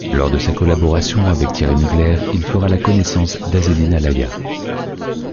Lors de sa collaboration avec Thierry Mugler, il fera la connaissance d’Azzedine Alaïa.